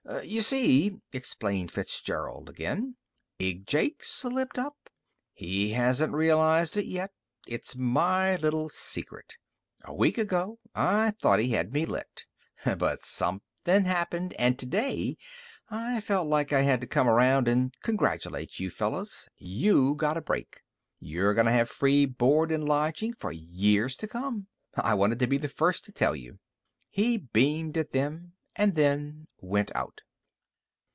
"Y'see," explained Fitzgerald again, "Big Jake's slipped up. He hasn't realized it yet. Its my little secret. A week ago I thought he had me licked. But somethin' happened, and today I felt like I had to come around and congratulate you fellas. You got a break! You're gonna have free board and lodging for years to come! I wanted to be the first to tell you!" He beamed at them and went out.